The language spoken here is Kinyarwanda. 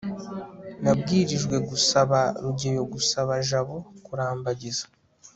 nabwirijwe gusaba rugeyo gusaba jabo kurambagiza